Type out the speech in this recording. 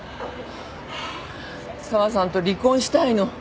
紗和さんと離婚したいの？